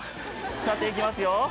さていきますよ。